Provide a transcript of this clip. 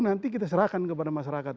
nanti kita serahkan kepada masyarakat